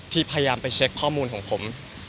พยายามไปเช็คข้อมูลของผม